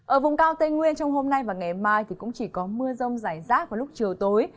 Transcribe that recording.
ở vùng cao tây nguyên trong hôm nay và ngày mai thì cũng chỉ có mưa rông rải rác vào lúc chiều tối